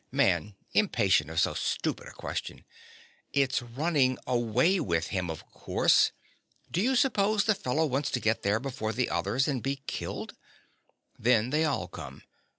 MAN. (impatient of so stupid a question). It's running away with him, of course: do you suppose the fellow wants to get there before the others and be killed? Then they all come.